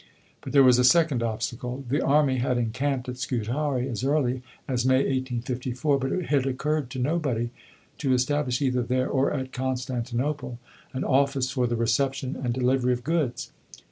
But there was a second obstacle. The army had encamped at Scutari as early as May 1854, but it had occurred to nobody to establish either there or at Constantinople an office for the reception and delivery of goods.